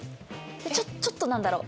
でちょっと何だろう